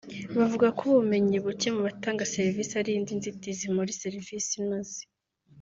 bavuga ko ubumenyi bucye mu batanga serivisi ari indi nzitizi muri serivisi inoze